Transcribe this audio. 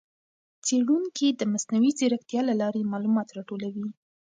څېړونکي د مصنوعي ځېرکتیا له لارې معلومات راټولوي.